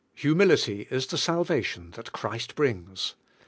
Humility is the salvation that Christ brings.